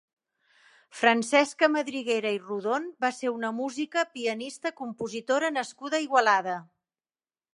Francesca Madriguera i Rodon va ser una música, pianista, compositora nascuda a Igualada.